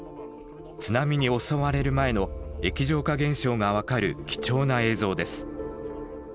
津波に襲われる前の液状化現象が分かる貴重な映像です。